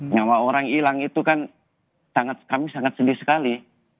nyawa orang hilang itu kan kami sangat sedih sekali